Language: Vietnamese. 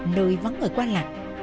nơi vắng ở quan lạc